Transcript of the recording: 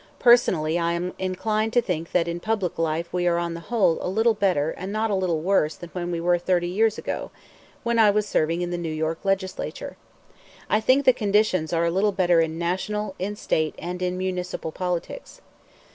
Personally I am inclined to think that in public life we are on the whole a little better and not a little worse than we were thirty years ago, when I was serving in the New York Legislature. I think the conditions are a little better in National, in State, and in municipal politics.